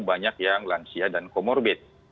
banyak yang lansia dan comorbid